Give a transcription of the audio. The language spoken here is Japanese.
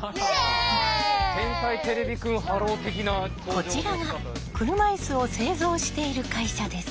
こちらが車いすを製造している会社です。